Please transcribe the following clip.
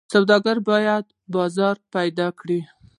سوداګر باید بازار پیدا کړي.